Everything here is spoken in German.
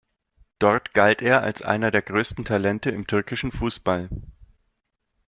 Dort galt er als einer der größten Talente im türkischen Fußball.